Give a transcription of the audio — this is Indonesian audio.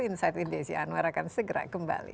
insight indonesia anwar akan segera kembali